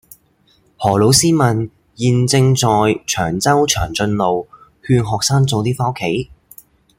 何老師問現正在長洲長俊路勸學生早啲返屋企